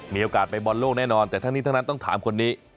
มีโอกาสไปบอลโลกแน่นอนแต่ทั้งนี้ทั้งนั้นต้องถามคนนี้